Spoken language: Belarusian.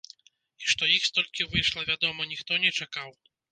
І што іх столькі выйшла, вядома, ніхто не чакаў.